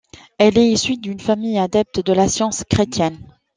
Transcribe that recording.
Elle est issue d'une famille adepte de la science chrétienne.